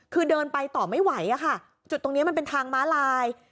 คือเดินไปต่อไม่ไหวอะค่ะจุดตรงนี้มันเป็นทางม้าลาย